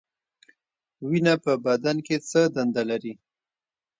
وینه په بدن کې څه دنده لري؟